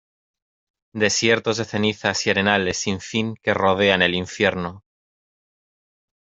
desiertos de cenizas y arenales sin fin que rodean el Infierno.